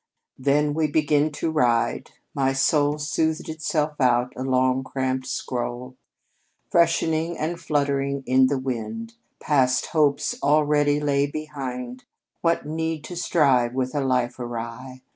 "Then we began to ride. My soul Smoothed itself out, a long cramped scroll Freshening and fluttering in the wind. Past hopes already lay behind. What need to strive with a life awry?